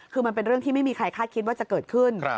คือมันเป็นเรื่องที่ไม่มีใครคาดคิดว่าจะเกิดขึ้น